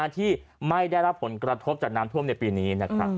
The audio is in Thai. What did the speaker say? ที่ไม่ได้รับผลกระทบจากน้ำท่วมในปีนี้นะครับ